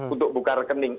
untuk buka rekening